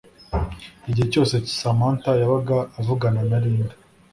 igihe cyose Samantha yabaga avugana na Linda